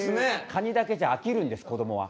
カニだけじゃ飽きるんですこどもは。